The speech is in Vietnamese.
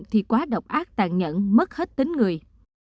thì quá độc ác tàn nhận mất hết tính người